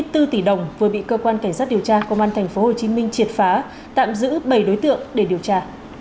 hai mươi bốn tỷ đồng vừa bị cơ quan cảnh sát điều tra công an tp hcm triệt phá tạm giữ bảy đối tượng để điều tra